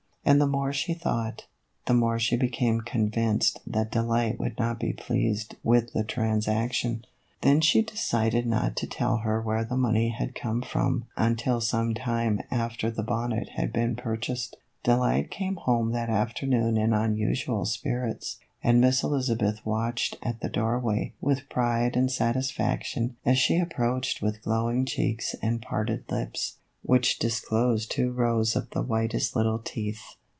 And the more she thought, the more she became convinced that Delight would not be pleased with the transaction. Then she decided THE EVOLUTION OF A BONNET. 1 19 not to tell her where the money had come from until some time after the bonnet had been purchased. Delight came home that afternoon in unusual spirits, and Miss Elizabeth watched at the doorway with pride and satisfaction as she approached with glowing cheeks and parted lips, which disclosed two rows of the whitest little teeth.